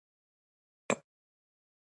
عصبي سیستم پیغامونه لیږدوي